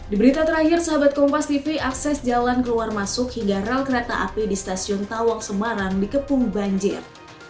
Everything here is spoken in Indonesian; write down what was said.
di berita terakhir sahabat kompas tv akses jalan keluar masuk hingga rel kereta api di stasiun tawang semarang dikepung banjir